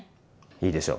いいでしょ。